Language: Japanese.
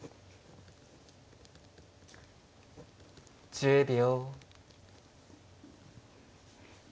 １０秒。